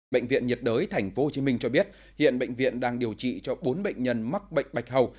bệnh viện nhiệt đới tp hcm cho biết hiện bệnh viện đang điều trị cho bốn bệnh nhân mắc bệnh bạch hầu